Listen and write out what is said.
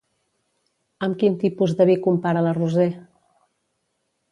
Amb quin tipus de vi compara la Roser?